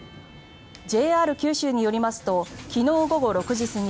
ＪＲ九州によりますと昨日午後６時過ぎ